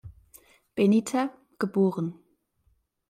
Benita, geboren.